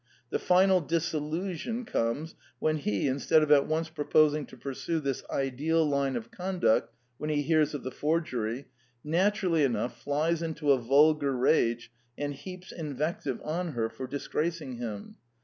The final disillusion comes when he, instead of at once proposing to pursue this ideal line of conduct when he hears of the forgery, naturally enough flies into a vulgar rage and heaps invective on her for disgracing him.